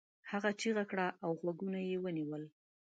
هغه چیغه کړه او غوږونه یې ونيول.